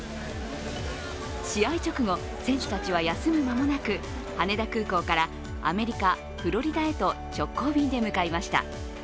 試合直後、選手たちは休む間もなく羽田空港からアメリカ・フロリダへと直行便で向かいました。